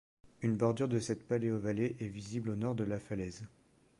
Une bordure de cette paléovallée est visible au nord de la falaise.